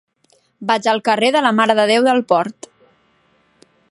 Vaig al carrer de la Mare de Déu de Port.